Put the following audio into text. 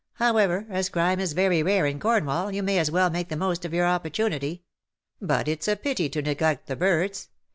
However, as crime is very rare in Cornwall, you may as well make the most of your opportunity. But it^s a pity to neglect the birds.